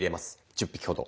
１０匹ほど。